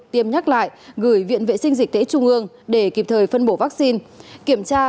tiêm nhắc lại gửi viện vệ sinh dịch tễ trung ương để kịp thời phân bổ vaccine kiểm tra